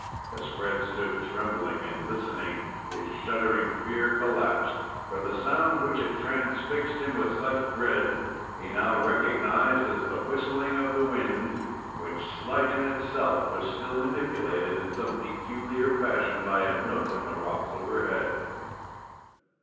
As Fred stood trembling and listening, his shuddering fear collapsed; for the sound which had transfixed him with such dread, he now recognized as the whistling of the wind, which, slight in itself, was still manipulated in some peculiar fashion by a nook in the rocks overhead.